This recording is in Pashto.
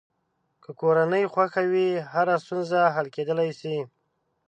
که کورنۍ خوښه وي، هره ستونزه حل کېدلی شي.